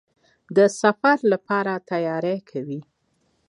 د سفر لپاره تیاری کوئ؟